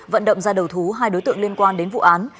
vận động ra đầu thú hai đối tượng liên quan đến vụ án